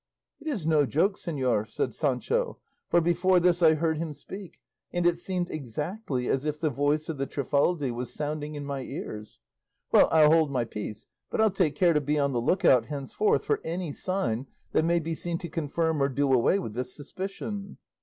"It is no joke, señor," said Sancho, "for before this I heard him speak, and it seemed exactly as if the voice of the Trifaldi was sounding in my ears. Well, I'll hold my peace; but I'll take care to be on the look out henceforth for any sign that may be seen to confirm or do away with this suspicion."